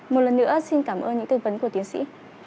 một lần nữa xin cảm ơn những tư vấn của tiến sĩ